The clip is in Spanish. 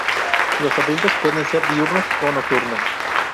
Los adultos pueden ser diurnos o nocturnos.